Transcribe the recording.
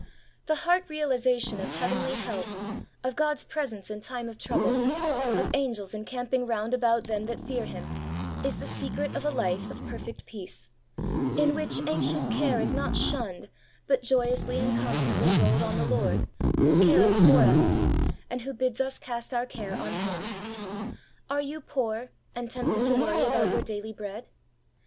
The heart realization of Heavenly help, of God's presence in time of trouble, of angels encamping round about them that fear Him, is the secret of a life of perfect peace, in which anxious care is not shunned, but joyously and constantly rolled on the Lord, who ' careth for us,' and who bids us cast our care on Him. Are you poor, and tempted to worry about your daily bread